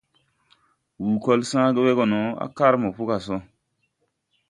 Wù kɔl sããge we gɔ no á kar mopo gà sɔ.